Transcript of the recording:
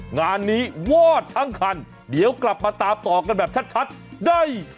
งานนี้วอดทั้งคันเดี๋ยวกลับมาตามต่อกันแบบชัดได้